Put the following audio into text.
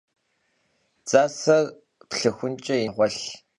Dzaser plhıxunç'e yinıjır jjêinu meğuelh.